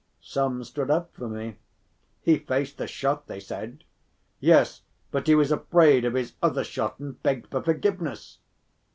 Some stood up for me: "He faced the shot," they said. "Yes, but he was afraid of his other shot and begged for forgiveness."